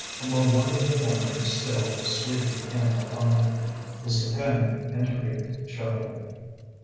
A more wonderful memory still was seeping in upon him. His companion intervened chillingly.